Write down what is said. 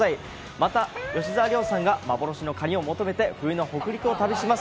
また吉沢亮さんが幻のカニを求めて冬の北陸を旅します。